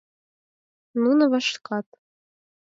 Нуно вашкат.